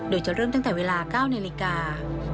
โดยจะเริ่มตั้งแต่เวลา๙นาฬิกา